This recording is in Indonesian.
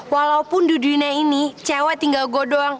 walaupun dudunya ini cewek tinggal gue doang